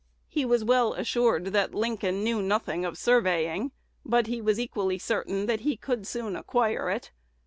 He was well assured that Lincoln knew nothing of surveying; but he was equally certain that he could soon acquire it.